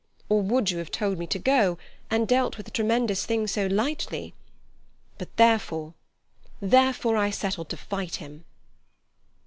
Or would you have told me to go, and dealt with a tremendous thing so lightly? But therefore—therefore I settled to fight him."